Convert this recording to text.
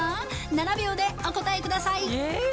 ７秒でお答えください。